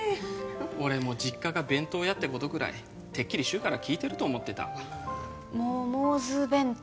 俺も実家が弁当屋ってことぐらいてっきり柊から聞いてると思ってた「モモズ弁当」